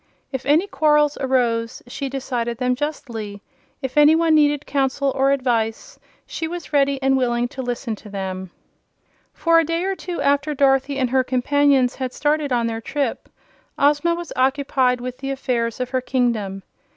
If any quarrels arose she decided them justly; if any one needed counsel or advice she was ready and willing to listen to them. For a day or two after Dorothy and her companions had started on their trip, Ozma was occupied with the affairs of her kingdom.